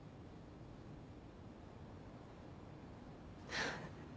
フッ。